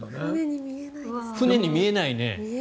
船に見えないね。